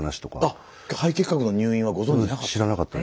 あっ肺結核の入院はご存じなかった？